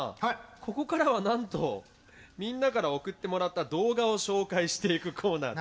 ここからはなんとみんなから送ってもらった動画を紹介していくコーナーです。